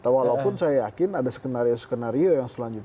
walaupun saya yakin ada skenario skenario yang selanjutnya